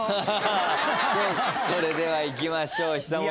それではいきましょう久本さん